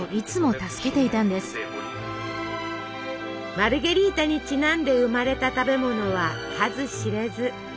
マルゲリータにちなんで生まれた食べものは数知れず。